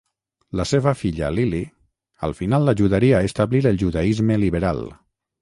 La seva filla Lily, al final ajudaria a establir el judaisme liberal.